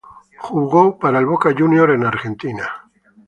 Jugó para Boca Juniors en Argentina.